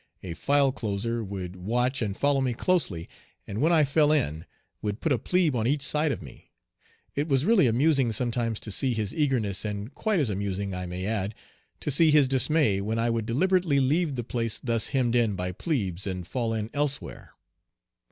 A file closer would watch and follow me closely, and when I fell in would put a plebe on each side of me. It was really amusing sometimes to see his eagerness, and quite as amusing, I may add, to see his dismay when I would deliberately leave the place thus hemmed in by plebes and fall in elsewhere.